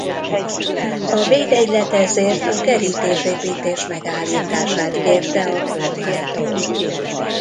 A Védegylet ezért a kerítés-építés megállítását kérte a kormánytól.